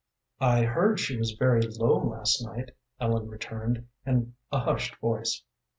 "I heard she was very low last night," Ellen returned, in a hushed voice.